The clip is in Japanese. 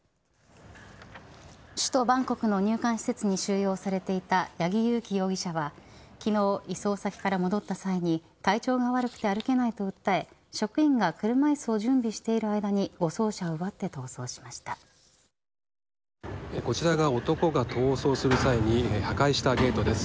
首都バンコクの入管施設に収容されていたヤギ・ユウキ容疑者は昨日、移送先から戻った際に体調が悪くて歩けないと訴え職員が車いすを準備している間に護送車を奪って逃走しましこちらが男が逃走する際に破壊したゲートです。